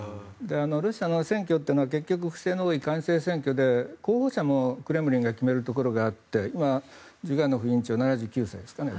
ロシアの選挙というのは結局不正など管制選挙で、候補者もクレムリンが決めるところがあってジュガーノフ委員長７９歳ですかね。